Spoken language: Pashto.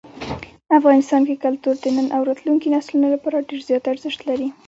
افغانستان کې کلتور د نن او راتلونکي نسلونو لپاره ډېر زیات ارزښت لري.